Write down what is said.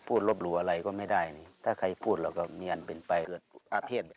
พูดรบรู้อะไรก็ไม่ได้ถ้าใครพูดเราก็เนียนเป็นไปเกิดอาเภท